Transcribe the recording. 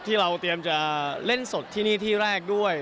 ที่เราเตรียมจะเล่นสดที่นี่ที่แรกด้วย